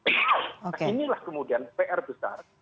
inilah kemudian pr besar